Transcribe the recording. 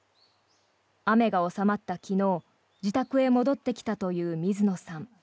雨が収まった昨日自宅へ戻ってきたという水野さん。